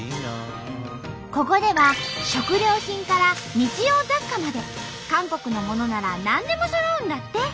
ここでは食料品から日用雑貨まで韓国のものなら何でもそろうんだって！